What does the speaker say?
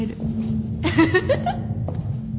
フフフフ。